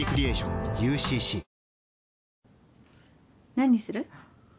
何にする？